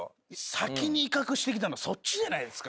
先に威嚇してきたのそっちじゃないですか。